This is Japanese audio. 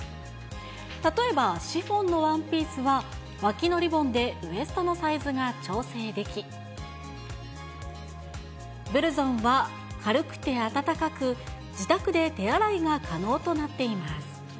例えばシフォンのワンピースは、脇のリボンでウエストのサイズが調整でき、ブルゾンは軽くて暖かく、自宅で手洗いが可能となっています。